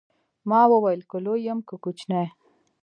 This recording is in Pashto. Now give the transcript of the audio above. ما وويل که لوى يم که کوچنى.